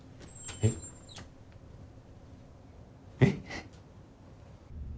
えっ？えっ？